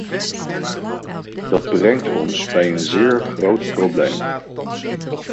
Dat brengt ons bij een zeer groot probleem.